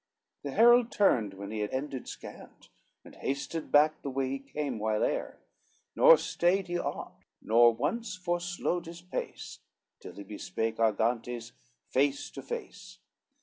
The herald turned when he had ended scant, And hasted back the way he came whileare, Nor stayed he aught, nor once forslowed his pace, Till he bespake Argantes face to face.